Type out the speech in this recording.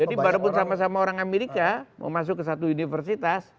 jadi barangkala sama sama orang amerika mau masuk ke satu universitas